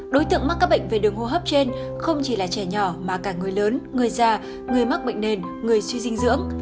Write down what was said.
đối tượng mắc các bệnh về đường hô hấp trên không chỉ là trẻ nhỏ mà cả người lớn người già người mắc bệnh nền người suy dinh dưỡng